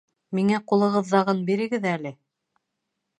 Миңә ҡулығыҙҙағын бирегеҙ әле